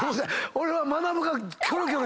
俺は。